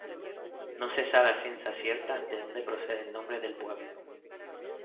No se sabe a ciencia cierta de donde procede el nombre del pueblo.